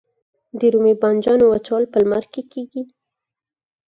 د رومي بانجان وچول په لمر کې کیږي؟